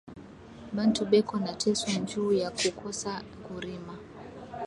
Bantu beko na teswa nju ya ku kosa ku rima